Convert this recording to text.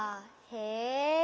へえ。